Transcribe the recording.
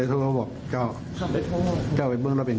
ไม่ตู้หลายตู้เจ้าประตูเช็บอ้าวอาวได้ตู้เดียว